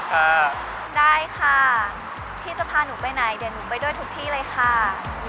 ถ้าหนูไปไหนเดี๋ยวหนูไปด้วยทุกที่เลยค่า